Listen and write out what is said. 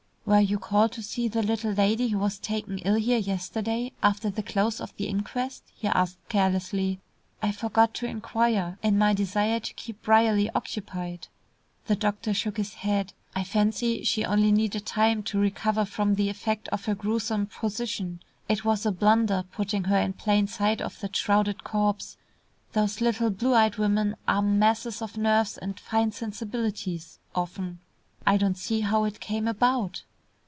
"Were you called to see the little lady who was taken ill here yesterday, after the close of the inquest?" he asked carelessly. "I forgot to inquire, in my desire to keep Brierly occupied." The doctor shook his head. "I fancy she only needed time to recover from the effect of her gruesome position. It was a blunder, putting her in plain sight of that shrouded corpse. Those little blue eyed women are masses of nerves and fine sensibilities often. I don't see how it came about."